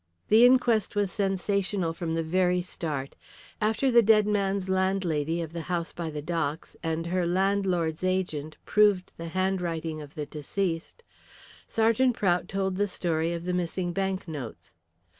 The inquest was sensational from the very start. After the dead man's landlady of the house by the docks and her landlord's agent proved the handwriting of the deceased, Sergeant Prout told the story of the missing banknotes.